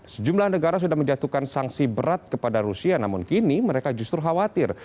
sejumlah negara sudah menjatuhkan sanksi berat kepada rusia namun kini mereka justru khawatir